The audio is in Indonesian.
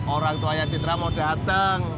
orang tuanya citra mau datang